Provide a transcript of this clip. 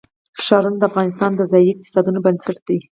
ښارونه د افغانستان د ځایي اقتصادونو بنسټ دی.